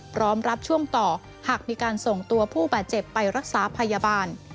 พร้อมรับช่วงต่อหากมีการส่งตัวผู้บาดเจ็บไปรักษาพยาบาล